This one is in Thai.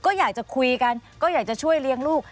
ก็อยากจะคุยกันก็อยากจะช่วยเลี้ยงลูก